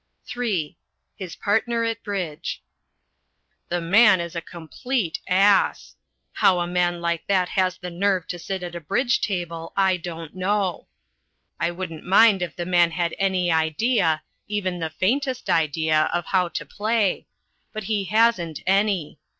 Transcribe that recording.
(III) HIS PARTNER AT BRIDGE The man is a complete ass. How a man like that has the nerve to sit down at a bridge table, I don't know. I wouldn't mind if the man had any idea even the faintest idea of how to play. But he hasn't any.